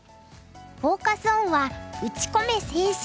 フォーカス・オンは「打ちこめ青春！